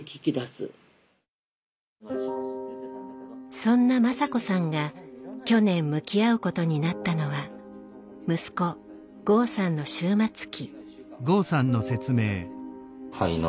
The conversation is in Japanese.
そんな雅子さんが去年向き合うことになったのは息子剛さんの終末期。